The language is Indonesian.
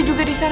aku gak mau